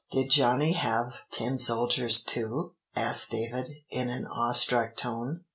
"Did Johnny have tin soldiers too?" asked David, in an awe struck tone.